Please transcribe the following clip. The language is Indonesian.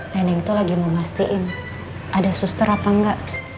neneng itu lagi memastikan ada suster apa enggak